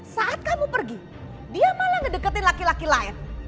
saat kamu pergi dia malah ngedeketin laki laki lain